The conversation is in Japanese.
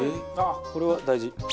あっこれは大事。